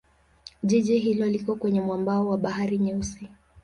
Jiji hilo liko kwenye mwambao wa Bahari Nyeusi.